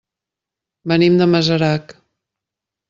Venim de Masarac.